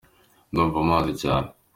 Ndumva mpaze cyane.